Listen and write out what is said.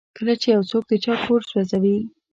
کله چې یو څوک د چا کور سوځوي.